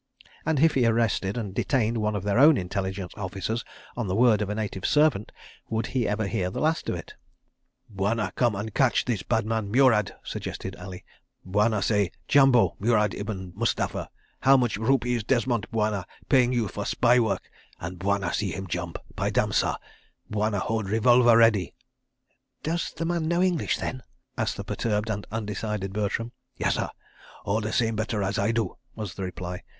... And if he arrested and detained one of their own Intelligence Officers, on the word of a native servant, would he ever hear the last of it? "Bwana come and catch this bad man Murad," suggested Ali. "Bwana say, 'Jambo, Murad ibn Mustapha! How much rupees Desmont Bwana paying you for spy work?' and Bwana see him jump! By damn, sah! Bwana hold revolver ready." ... "Does the man know English then?" asked the perturbed and undecided Bertram. "Yessah—all the same better as I do," was the reply.